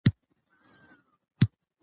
موږ باید ازاد واوسو.